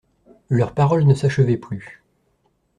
Leurs paroles ne s'achevaient plus.